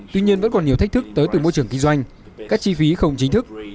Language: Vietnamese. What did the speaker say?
tuy nhiên vẫn còn nhiều thách thức tới từ môi trường kinh doanh các chi phí không chính thức